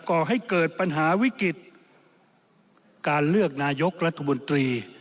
ก่อให้เกิดปัญหาวิกฤติการเลือกนายกรัฐมนตรี